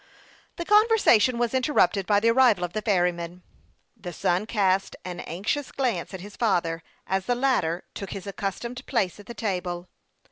The conversation was interrupted by the arrival of the ferryman. The son cast an anxious glance at his father, as the latter took his accustomed place at the table.